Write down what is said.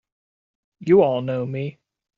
You all know me!